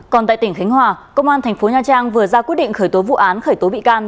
còn tại tỉnh khánh hòa công an tp hcm vừa ra quyết định khởi tố vụ án khởi tố bị can